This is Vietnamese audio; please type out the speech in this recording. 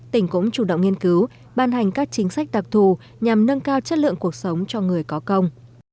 tỉnh cũng chủ động nghiên cứu ban hành các chính sách đặc thù nhằm nâng cao chất lượng cuộc sống cho người có công